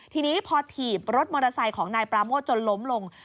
ทีนี้พอถีบรถมอเตอร์ไซค์ของนายปราโมทจนล้มลง